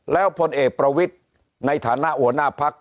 แล้วพลเอกประวิทย์ในฐานะหัวหน้าพัก